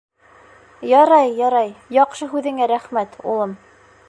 — Ярай, ярай, яҡшы һүҙеңә рәхмәт, улым.